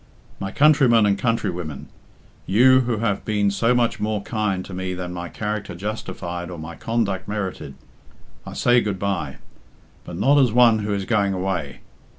"My countrymen and countrywomen, you who have been so much more kind to me than my character justified or my conduct merited. I say good bye; but not as one who is going away.